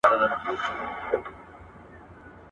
ولسمشر سیاسي بندیان نه ساتي.